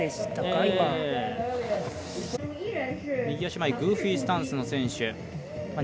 右足前グーフィースタンスの選手。